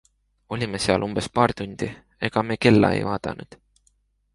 Olime seal umbes paar tundi, ega me kella ei vaadanud.